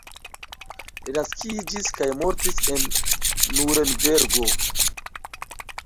Li naskiĝis kaj mortis en Nurenbergo.